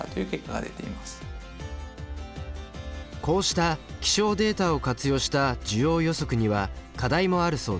こうした気象データを活用した需要予測には課題もあるそうです。